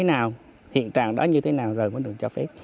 thế nào hiện trạng đó như thế nào rồi mới được cho phép